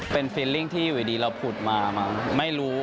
เป็นฟิลลิ่งที่อยู่ดีเราผุดมาไม่รู้